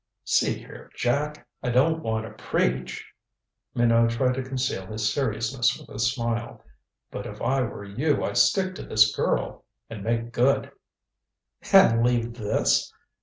"See here, Jack I don't want to preach" Minot tried to conceal his seriousness with a smile "but if I were you I'd stick to this girl, and make good " "And leave this?"